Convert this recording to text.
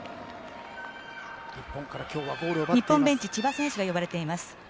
日本ベンチ千葉選手が呼ばれています。